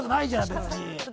別に。